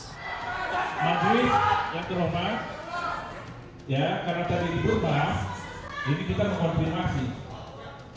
saya tidak mendengar perintah apapun soal eksekusi